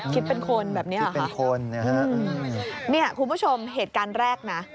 คิดเป็นคนแบบนี้หรอคะคุณผู้ชมเหตุการณ์แรกนะ